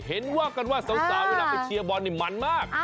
เห็นว่ากันว่าสาวเวลาไปเชียร์บอลมันมาก